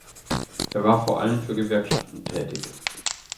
Er war vor allem für Gewerkschaften tätig.